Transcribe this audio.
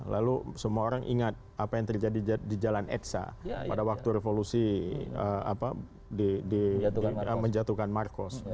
lalu semua orang ingat apa yang terjadi di jalan exa pada waktu revolusi menjatuhkan marcos